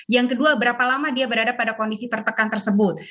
yang kedua berapa lama dia berada pada kondisi tertekan tersebut